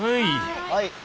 はい。